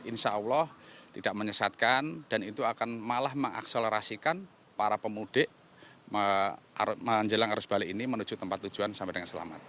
insya allah tidak menyesatkan dan itu akan malah mengakselerasikan para pemudik menjelang arus balik ini menuju tempat tujuan sampai dengan selamat